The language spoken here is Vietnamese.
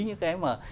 những cái mà